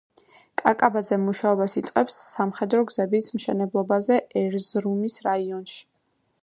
კაკაბაძე მუშაობას იწყებს სამხედრო გზების მშენებლობაზე ერზრუმის რაიონში.